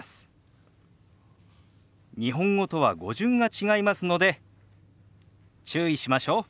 日本語とは語順が違いますので注意しましょう。